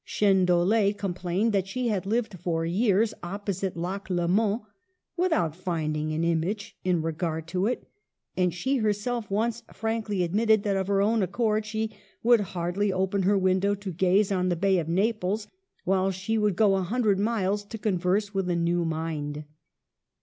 Che nedolld complained that she had lived for years opposite Lake Leman " without finding an im age" in regard to it; and she herself once frankly admitted that of her own accord she would hardly open her window to gaze on the bay of Naples, while she would go a hundred miles \ to converse with a new mind.